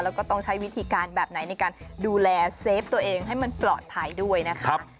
แล้วก็ต้องใช้วิธีการแบบไหนในการดูแลเซฟตัวเองให้มันปลอดภัยด้วยนะคะ